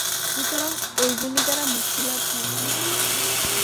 সুতরাং ঐগুলি দ্বারা মুক্তিলাভ হয় না।